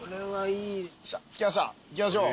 行きましょう。